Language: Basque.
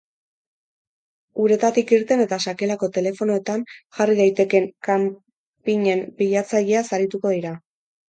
Uretatik irten eta sakelako telefonoetan jarri daiteken kanpinen bilatzaileaz arituko dira.